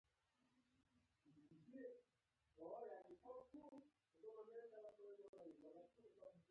ایا زه پارک ته لاړ شم؟